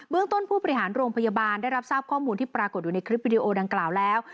ต้นผู้บริหารโรงพยาบาลได้รับทราบข้อมูลที่ปรากฏอยู่ในคลิปวิดีโอดังกล่าวแล้ว